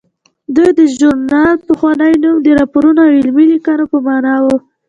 د دې ژورنال پخوانی نوم د راپورونو او علمي لیکنو په مانا و.